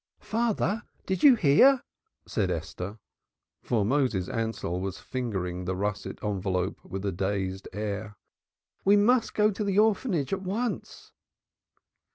"Father, dost thou hear?" said Esther, for Moses Ansell was fingering the russet envelope with a dazed air. "We must go to the Orphanage at once."